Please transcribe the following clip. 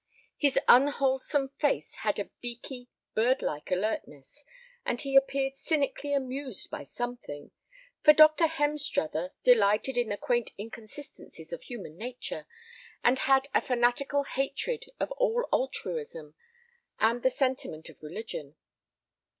His unwholesome face had a beaky, bird like alertness, and he appeared cynically amused by something, for Dr. Hemstruther delighted in the quaint inconsistencies of human nature, and had a fanatical hatred of all altruism and the sentiment of religion.